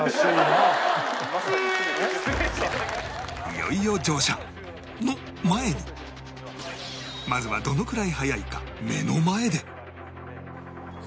いよいよ乗車の前にまずはどのくらい速いか目の前で